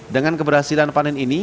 dengan keberhasilan panen ini